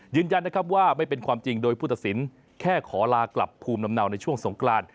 ยืนยันนะครับว่าไม่เป็นความจริงโดยผู้ตัดสินแค่ขอลากลับภูมิลำเนาในช่วงสงกราน